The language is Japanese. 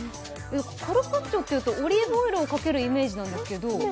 カルパッチョというとオリーブオイルをかけるイメージですけど。